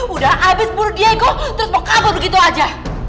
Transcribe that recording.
udah habis bur diego terus mau kabur begitu aja